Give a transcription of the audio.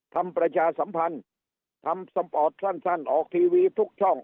ประชาสัมพันธ์ทำสปอร์ตสั้นออกทีวีทุกช่อง